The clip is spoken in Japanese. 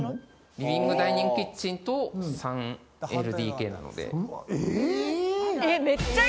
リビングダイニングキッチンと３ＬＤＫなので。